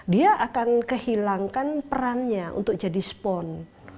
dia akan kehilangkan perannya untuk jadi spawn